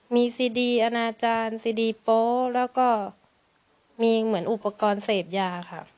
มีซีดีอนาจารย์ซีดีโป๊แล้วก็มีเหมือนอุปกรณ์เสพยาค่ะ